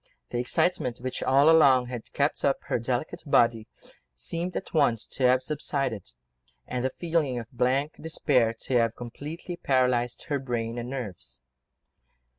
The excitement which all along had kept up her delicate body seemed at once to have subsided, and the feeling of blank despair to have completely paralysed her brain and nerves.